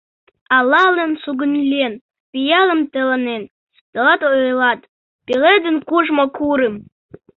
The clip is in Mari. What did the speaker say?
Алалын сугыньлен, пиалым тыланен, Тылат ойлат: «Пеледын кушмо курым!»